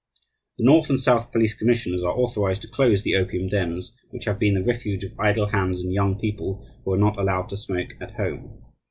"The North and South police commissioners are authorized to close the opium dens, which have been the refuge of idle hands and young people who are not allowed to smoke at home.